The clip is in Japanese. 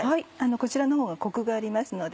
こちらのほうがコクがありますので。